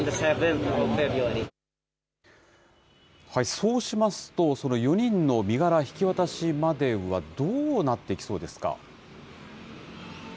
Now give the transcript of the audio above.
そうしますと、その４人の身柄引き渡しまではどうなっていきそうですか？